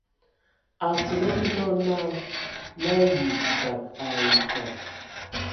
Asǝlǝg dɔ naa la ayi bibag ai fa.